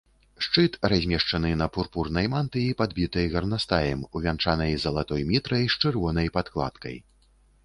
Шчыт размешчаны на пурпурнай мантыі, падбітай гарнастаем, увянчанай залатой мітрай з чырвонай падкладкай.